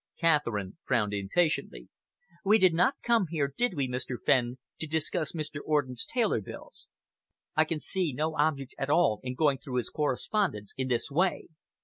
Catherine frowned impatiently. "We did not come here, did we, Mr. Fenn, to discuss Mr. Orden's tailor's bill? I can see no object at all in going through his correspondence in this way.